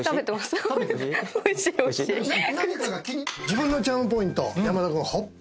自分のチャームポイント山田君ほっぺ。